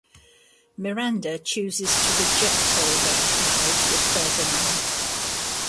Miranda chooses to reject her arranged marriage with Ferdinand.